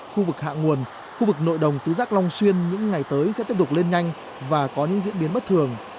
khu vực hạ nguồn khu vực nội đồng tứ giác long xuyên những ngày tới sẽ tiếp tục lên nhanh và có những diễn biến bất thường